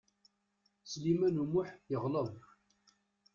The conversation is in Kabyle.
Sliman U Muḥ yeɣleḍ.